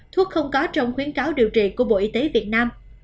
thuốc không có trong khuyến cáo điều trị của bộ y tế việt nam